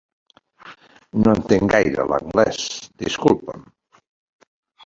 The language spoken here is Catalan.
No entenc gaire l'anglés, disculpa'm.